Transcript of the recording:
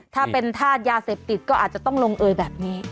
ถ้าเป็นธาตุยาเสพติดก็อาจจะต้องลงเอยแบบนี้